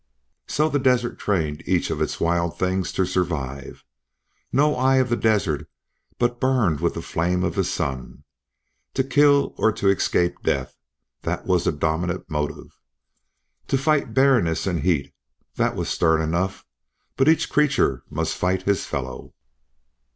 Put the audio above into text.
So the desert trained each of its wild things to survive. No eye of the desert but burned with the flame of the sun. To kill or to escape death that was the dominant motive. To fight barrenness and heat that was stern enough, but each creature must fight his fellow.